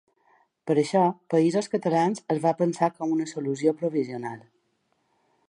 Per això ‘Països Catalans’ es va pensar com una solució provisional.